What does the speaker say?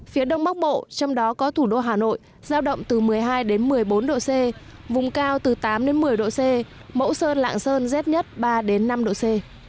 phía đông bắc bộ trong đó có thủ đô hà nội giao động từ một mươi hai một mươi bốn độ c vùng cao từ tám đến một mươi độ c mẫu sơn lạng sơn rét nhất ba đến năm độ c